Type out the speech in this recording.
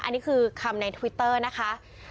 อันนี้คือคำในทวิตเตอร์นะคะ